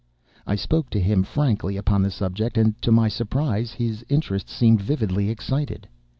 I spoke to him frankly upon the subject; and, to my surprise, his interest seemed vividly excited.